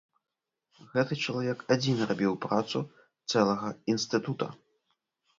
Гэты чалавек адзін рабіў працу цэлага інстытута.